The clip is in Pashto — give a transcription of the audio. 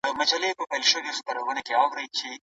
که مشر پوه نه وي ټولنه ګمراه کيږي.